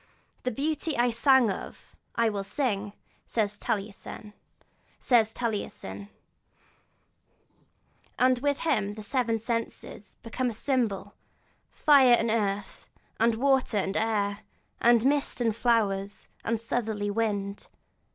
'The beautiful I sang of, I will sing,' says Taliesin; and with him the seven senses become in symbol 'fire and earth, and water and air, and mist and flowers, and southerly wind.'